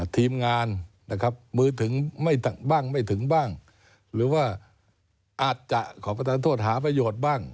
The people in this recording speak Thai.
ทีมงานมือถึงไม่ถึงบ้างหรือว่าอาจจะขอประทานทดหาประโยชน์บ้าง